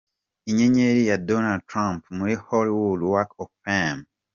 Inyenyeri ya Donald Trump muri Hollywood Walk of Fame.